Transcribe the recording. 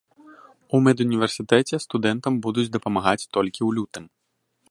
У медуніверсітэце студэнтам будуць дапамагаць толькі ў лютым.